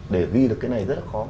để ghi được cái này rất là khó